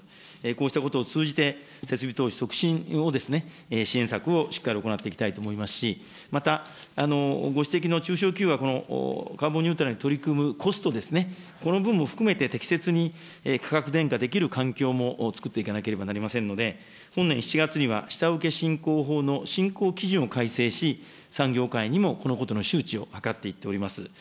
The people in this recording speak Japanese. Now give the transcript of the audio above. こうしたことを通じて、設備投資促進を、支援策をしっかり行っていきたいと思いますし、またご指摘の中小企業がカーボンニュートラルに取り組むコスト、この分も含めて適切に価格転嫁できる環境もつくっていかなければなりませんので、本年７月には下請しんこう法のしんこう基準を改正し、産業界にもこのことの周知を図っていっております。